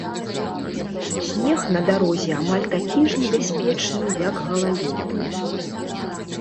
Снег на дарозе амаль такі ж небяспечны як галалёд.